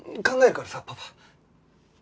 考えるからさパパ。